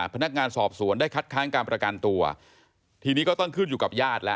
พนักงานสอบสวนได้คัดค้างการประกันตัวทีนี้ก็ต้องขึ้นอยู่กับญาติแล้ว